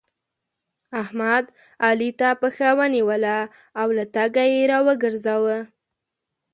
احمد؛ علي ته پښه ونيوله او له تګه يې راوګرځاوو.